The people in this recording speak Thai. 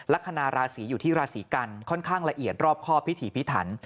ลักษณะราศีอยู่ที่ราศีกันค่อนข้างละเอียดรอบครอบพิถีพิถัน